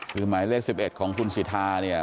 คือหมายเลข๑๑ของคุณสิทธาเนี่ย